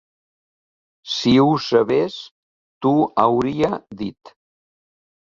Si ho sabés, t'ho hauria dit.